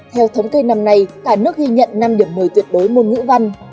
theo thống kê năm nay cả nước ghi nhận năm điểm một mươi tuyệt đối môn ngữ văn